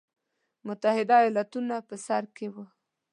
متحده ایالتونه په سر کې وو.